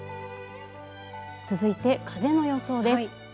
続いて、風の予想です。